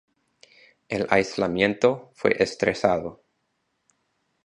El aislamiento fue estresado.